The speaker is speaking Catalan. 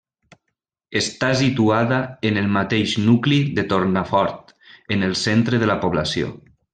Està situada en el mateix nucli de Tornafort, en el centre de la població.